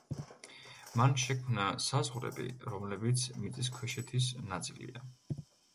მან შექმნა საზღვრები, რომლებიც მიწისქვეშეთის ნაწილია.